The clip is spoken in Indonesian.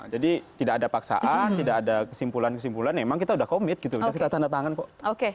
jadi tidak ada paksaan tidak ada kesimpulan kesimpulan emang kita udah komit gitu kita tanda tangan kok